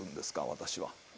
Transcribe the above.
私は。